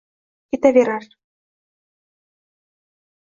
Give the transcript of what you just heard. Ketaverar